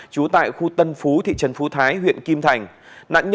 trú tại khu tân phú thị trấn phú thái huyện kim thành